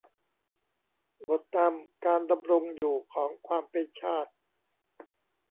บทนำ การดำรงอยู่ของความเป็นชาติ